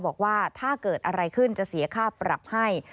บอกว่าถ้าเกิดอะไรขึ้นจะเสียค่าปรับให้